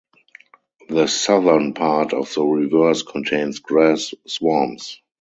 The southern part of the reserve contains grass swamps.